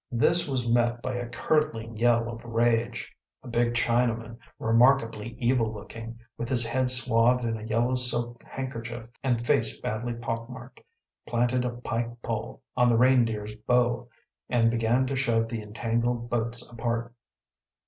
This was met by a curdling yell of rage. A big Chinaman, remarkably evil looking, with his head swathed in a yellow silk handkerchief and face badly pock marked, planted a pike pole on the Reindeer’s bow and began to shove the entangled boats apart.